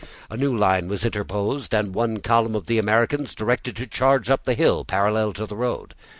A new line was interposed, and one column of the Americans directed to charge up the hill, parallel to the road.